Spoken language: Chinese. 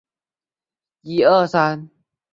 当前维也纳政府将建筑当作一个旅游景点。